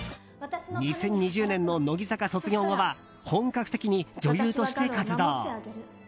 ２０２０年の乃木坂卒業後は本格的に女優として活動。